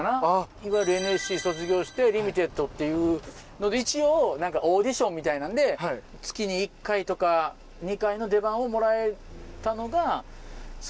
いわゆるＮＳＣ卒業してリミテッドっていうので一応オーディションみたいなんで月に１回とか２回の出番をもらえたのがその時代。